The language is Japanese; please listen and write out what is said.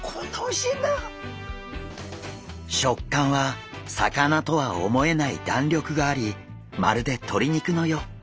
食感は魚とは思えないだんりょくがありまるで鶏肉のよう。